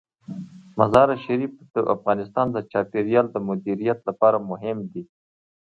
مزارشریف د افغانستان د چاپیریال د مدیریت لپاره مهم دي.